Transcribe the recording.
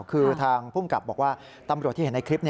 คือทางภูมิกับบอกว่าตำรวจที่เห็นในคลิป